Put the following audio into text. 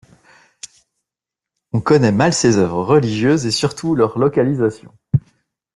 On connait mal ses œuvres religieuses et surtout leur localisation.